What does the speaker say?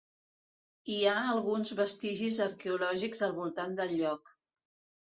Hi ha alguns vestigis arqueològics al voltant del lloc.